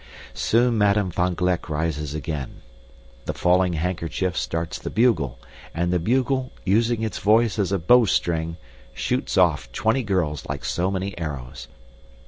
Soon Madame van Gleck rises again. The falling handkerchief starts the bugle, and the bugle, using its voice as a bowstring, shoots of twenty girls like so many arrows.